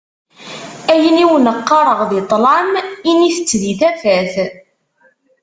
Ayen i wen-qqareɣ di ṭṭlam, init-tt di tafat.